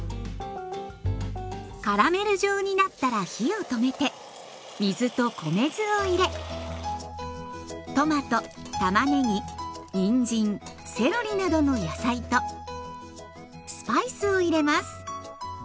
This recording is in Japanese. カラメル状になったら火を止めて水と米酢を入れトマトたまねぎにんじんセロリなどの野菜とスパイスを入れます。